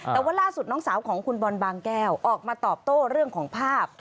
แต่ว่าล่าสุดน้องสาวของคุณบอลบางแก้วออกมาตอบโต้เรื่องของภาพ